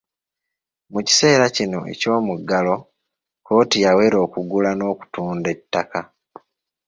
Mu kiseera kino eky’omuggalo kkooti yawera okugula n’okutunda ettaka.